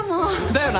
だよな。